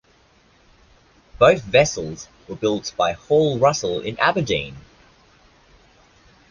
Both vessels were built by Hall Russell in Aberdeen.